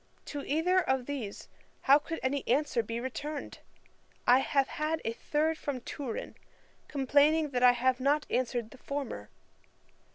To either of these how could any answer be returned? I have had a third from Turin, complaining that I have not answered the former.